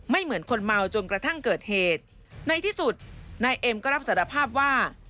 เหมือนคนเมาจนกระทั่งเกิดเหตุในที่สุดนายเอ็มก็รับสารภาพว่า